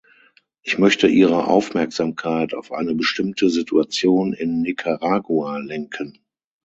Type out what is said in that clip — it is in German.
Ich möchte Ihre Aufmerksamkeit auf eine bestimmte Situation in Nicaragua lenken.